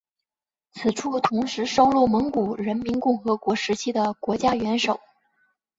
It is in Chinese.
此处同时收录蒙古人民共和国时期的国家元首。